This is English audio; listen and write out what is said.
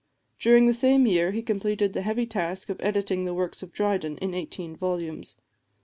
During the same year he completed the heavy task of editing the works of Dryden, in eighteen volumes.